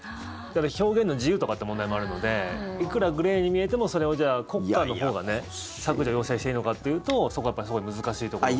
表現の自由とかって問題もあるのでいくらグレーに見えてもそれを国家のほうがね削除要請していいのかというとそこは難しいところかなと。